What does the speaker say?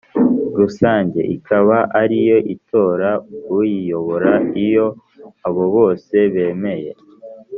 Rusange ikaba ariyo itora uyiyobora Iyo abo bose bemeye